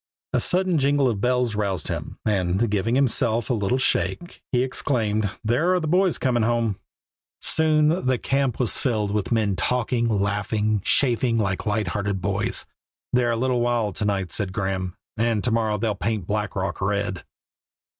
A sudden jingle of bells roused him, and, giving himself a little shake, he exclaimed, "There are the boys coming home." Soon the camp was filled with men talking, laughing, chaffing like light hearted boys. "They are a little wild to night," said Graeme, "and to morrow they'll paint Black Rock red."